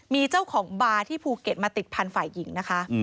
มีเจ้าของบาร์ที่ภูเก็ตมาติดพันธุ์ฝ่ายหญิงนะคะ